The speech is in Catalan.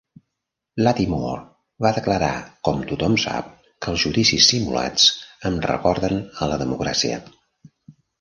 Lattimore va declarar, com tothom sap, que els judicis simulats "em recorden a la democràcia".